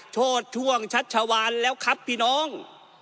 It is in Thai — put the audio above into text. โทษช่วงชัชวานแล้วครับพี่น้อง